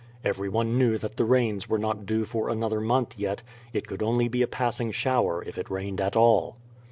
Everyone knew that the rains were not due for another month yet; it could only be a passing shower if it rained at all.